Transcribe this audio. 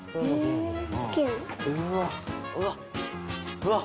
うわっ！